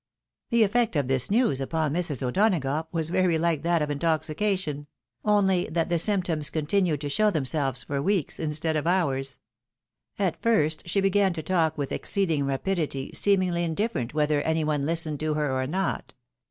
The eifect of this news upon Mrs. O'Donagough was very like that of intoxication ; only that the symptoms continued to show themselves for weeks, instead of hours. At first she began to talk with exceeding rapidity, seemingly indifierent whether any one listened to her or not.